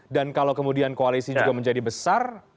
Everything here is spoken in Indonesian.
dan kalau kemudian koalisi juga menjadi besar